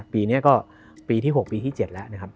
ปีนี้ก็ปีที่๖ปีที่๗แล้ว